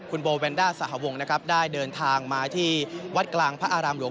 คุณโบแวนด้าสหวงนะครับได้เดินทางมาที่วัดกลางพระอารามหลวง